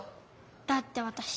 だってわたし